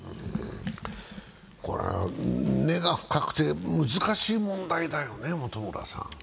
これは根が深くて難しい問題だよね。